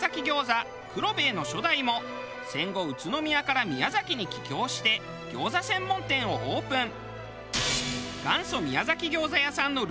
黒兵衛の初代も戦後宇都宮から宮崎に帰郷して餃子専門店をオープン。